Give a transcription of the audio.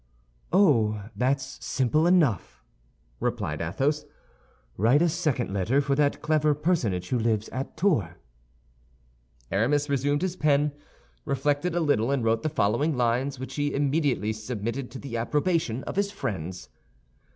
"Oh, that's simple enough!" replied Athos. "Write a second letter for that clever personage who lives at Tours." Aramis resumed his pen, reflected a little, and wrote the following lines, which he immediately submitted to the approbation of his friends.